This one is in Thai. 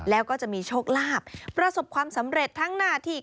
แล้วก็จะมีโชคลาภประสบความสำเร็จทั้งหน้าที่